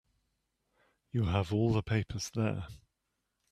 You have all the papers there.